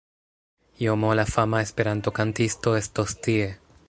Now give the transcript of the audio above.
JoMo la fama Esperanto-kantisto estos tie